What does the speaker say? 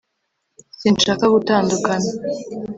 sinshaka gutandukana